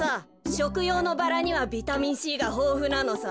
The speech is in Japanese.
しょくようのバラにはビタミンＣがほうふなのさ。